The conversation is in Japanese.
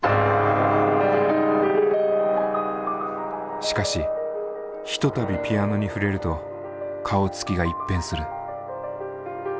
しかしひとたびピアノに触れると顔つきが一変する。